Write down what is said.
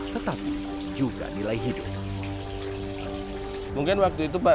tetapi juga nilai hidup